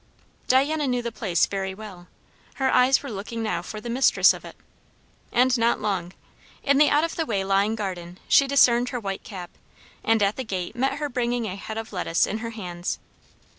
Diana knew the place very well; her eyes were looking now for the mistress of it. And not long. In the out of the way lying garden she discerned her white cap; and at the gate met her bringing a head of lettuce in her hands.